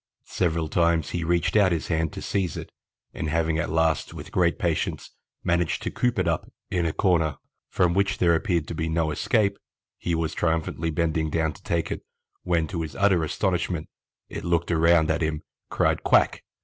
Several times he reached out his hand to seize it, and having at last with great patience managed to coop it up in a corner, from which there appeared to be no escape, he was triumphantly bending down to take it, when, to his utter astonishment, it looked around at him, cried 'Quack!'